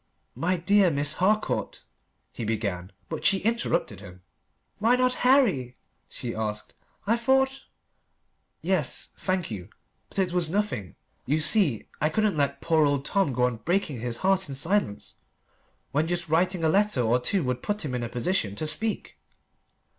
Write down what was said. "My dear Miss Harcourt," he began. But she interrupted him. "Why not Harry?" she asked. "I thought " "Yes. Thank you. But it was nothing. You see I couldn't let poor old Tom go on breaking his heart in silence, when just writing a letter or two would put him in a position to speak."